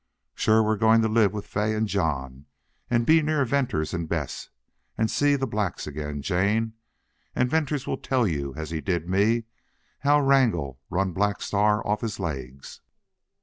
"Shore we're goin' to live with Fay an' John, an' be near Venters an' Bess, an' see the blacks again, Jane.... An' Venters will tell you, as he did me, how Wrangle run Black Star off his legs!"